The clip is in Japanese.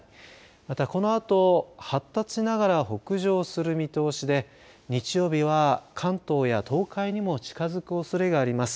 また、このあと発達しながら北上する見通しで日曜日は関東や東海にも近づくおそれがあります。